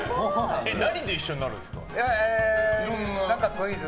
何で一緒になるんですか。